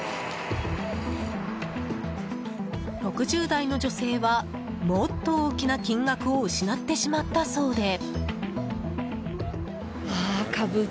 ６０代の女性はもっと大きな金額を失ってしまったそうで。